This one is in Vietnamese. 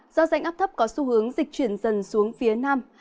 do rãnh áp thấp có xu hướng dịch chuyển dần xuống phía nam